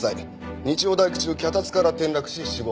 日曜大工中脚立から転落し死亡。